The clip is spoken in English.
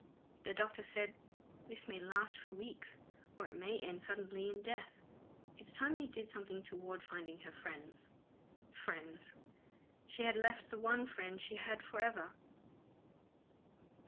The doctor said, "This may last for weeks. Or it may end suddenly in death. It's time you did something toward finding her friends." (Her friends! She had left the one friend she had forever!)